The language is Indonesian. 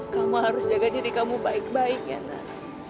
kamu harus jaga diri kamu baik baik ya nak